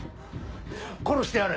殺してやる。